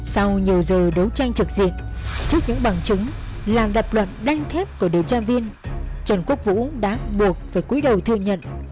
sau nhiều giờ đấu tranh trực diện trước những bằng chứng là lập luận đanh thép của điều tra viên trần quốc vũ đã buộc về cuối đầu thư nhận